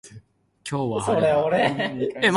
今日は晴れだ